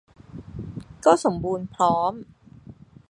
ก็สมบูรณ์พร้อม